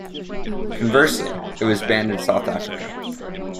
Conversely, it was banned in South Africa.